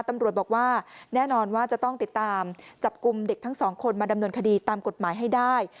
ตำรวจบอกว่าแน่นอนว่าจะต้องติดตามจับกลุ่มเด็กทั้งสองคนมาดำเนินคดีตามกฎหมายให้ได้